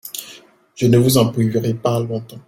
Je ne vous en priverai pas longtemps.